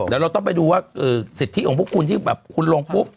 เดี๋ยวเราต้องไปดูว่าสิทธิของพวกคุณที่แบบคุณลงปุ๊บ